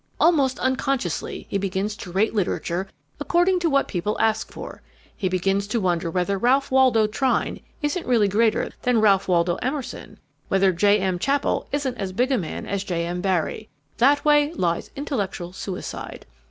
Almost unconsciously he begins to rate literature according to what people ask for. He begins to wonder whether Ralph Waldo Trine isn't really greater than Ralph Waldo Emerson, whether J. M. Chapple isn't as big a man as J. M. Barrie. That way lies intellectual suicide.